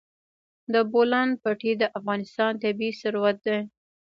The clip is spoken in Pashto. د بولان پټي د افغانستان طبعي ثروت دی.